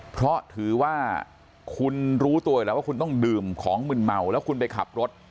เพราะถือว่าคุณรู้ตัวอยู่แล้วว่าคุณต้องดื่มของมึนเมาแล้วคุณไปขับรถ